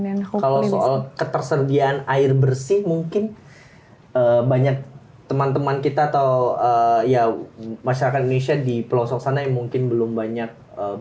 kalau soal ketersediaan air bersih mungkin banyak teman teman kita atau ya masyarakat indonesia di pelosok sana yang mungkin belum banyak